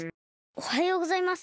おはようございます。